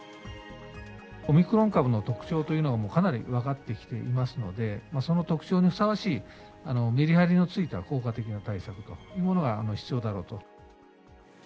オミクロン株の特徴というのはかなり分かってきていますので、その特徴にふさわしい、メリハリのついた効果的な対策というものが必要だろうと。